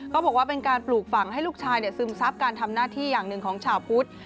บอกว่าเป็นการปลูกฝังให้ลูกชายซึมซับการทำหน้าที่อย่างหนึ่งของชาวพุทธ